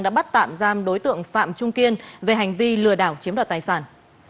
đã bắt tạm giam đối tượng phạm trung kiên về hành vi lừa đảo chiếm đoạt tài sản